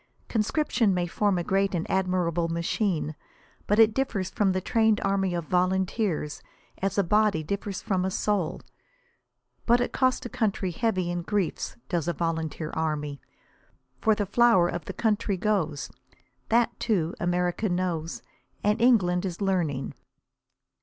Conscription may form a great and admirable machine, but it differs from the trained army of volunteers as a body differs from a soul. But it costs a country heavy in griefs, does a volunteer army; for the flower of the country goes. That, too, America knows, and England is learning.